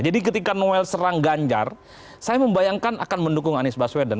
jadi ketika noel serang ganjar saya membayangkan akan mendukung anies baswedan